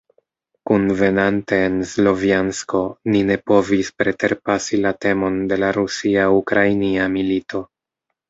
Kunvenante en Slovjansko ni ne povis preterpasi la temon de la rusia-ukrainia milito.